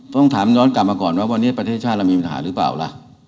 ต้องถามกลับมาก่อนว่าวันนี้ประเทศชาติมันมีปัญหาศึกป่าวล่ะ